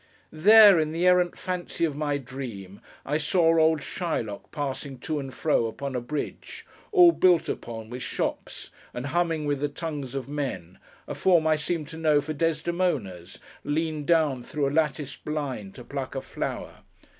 There, in the errant fancy of my dream, I saw old Shylock passing to and fro upon a bridge, all built upon with shops and humming with the tongues of men; a form I seemed to know for Desdemona's, leaned down through a latticed blind to pluck a flower.